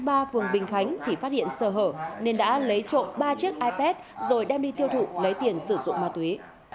qua phường bình khánh thì phát hiện sờ hở nên đã lấy trộm ba chiếc ipad rồi đem đi tiêu thụ lấy tiền sử dụng ma túy